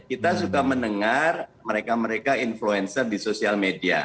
kita suka mendengar mereka mereka influencer di sosial media